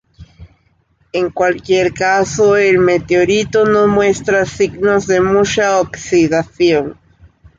En cualquier caso, el meteorito no muestra signos de mucha oxidación.